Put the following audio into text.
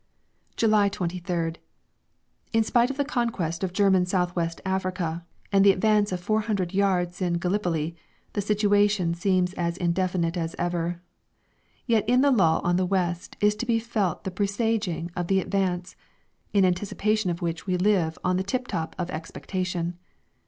July 23rd. In spite of the conquest of German South West Africa and the advance of four hundred yards in Gallipoli, the situation seems as indefinite as ever. Yet in the lull on the West is to be felt the presaging of the advance, in anticipation of which we live on the tip top of expectation.